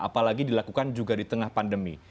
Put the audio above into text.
apalagi dilakukan juga di tengah pandemi